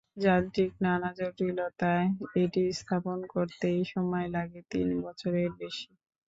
যান্ত্রিক নানা জটিলতায় এটি স্থাপন করতেই সময় লাগে তিন বছরের বেশি।